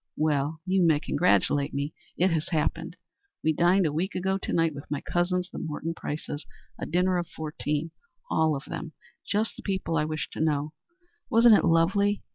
Well, you may congratulate me; it has happened. We dined a week ago to night with my cousins the Morton Prices a dinner of fourteen, all of them just the people I wished to know. Wasn't it lovely?